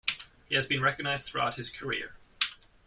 He has been recognized throughout his career.